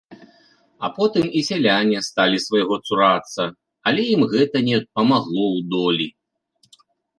А потым і сяляне сталі свайго цурацца, але ім гэта не памагло ў долі.